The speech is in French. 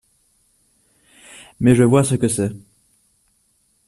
Mais je vois ce que c’est…